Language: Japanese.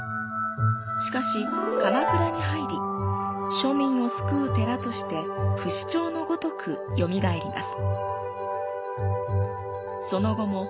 しかし鎌倉に入り、庶民を救う寺として不死鳥のごとく蘇ります。